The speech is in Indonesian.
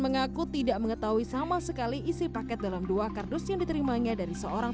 mengaku tidak mengetahui sama sekali isi paket dalam dua kardus yang diterimanya dari seorang